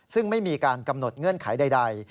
ซึ่งไม่มีการกำหนดเงื่อนไขใด